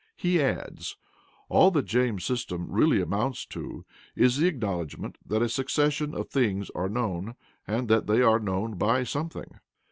He adds: "All that James's system really amounts to is the acknowledgment that a succession of things are known, and that they are known by something.